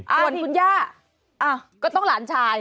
ส่วนคุณย่าก็ต้องหลานชาย